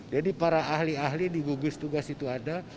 jadi para ahli ahli di gugus tugas itu ada